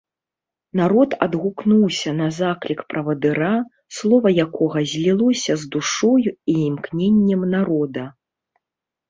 Народ адгукнуўся на заклік правадыра, слова якога злілося з душой і імкненнем народа.